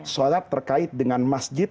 sholat terkait dengan masjid